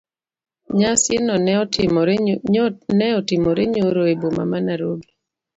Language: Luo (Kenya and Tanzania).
Nyasi no ne otimore nyoro e boma ma Nairobi.